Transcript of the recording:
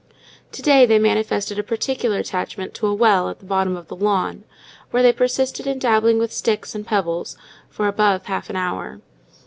To day, they manifested a particular attachment to a well at the bottom of the lawn, where they persisted in dabbling with sticks and pebbles for above half an hour.